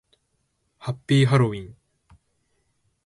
ハッピーハロウィン